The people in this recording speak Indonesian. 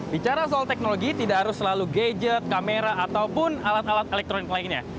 bicara soal teknologi tidak harus selalu gadget kamera ataupun alat alat elektronik lainnya